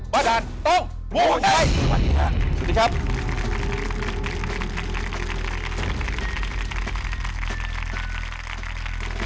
บรรดาตรงหมู่ไหน